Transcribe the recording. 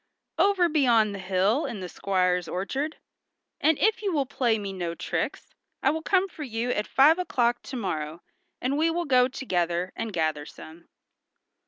"Over beyond the hill in the squire's orchard, and if you will play me no tricks I will come for you at five o'clock to morrow, and we will go together, and gather some."